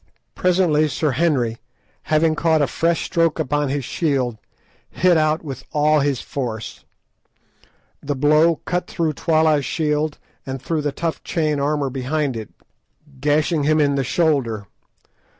Presently Sir Henry, having caught a fresh stroke upon his shield, hit out with all his force. The blow cut through Twala's shield and through the tough chain armour behind it, gashing him in the shoulder.